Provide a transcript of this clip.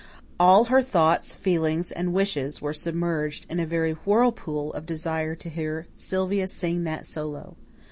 All her thoughts, feelings, and wishes were submerged in a very whirlpool of desire to hear Sylvia sing that solo.